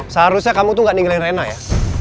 seharusnya kamu tuh gak ninggalin rena ya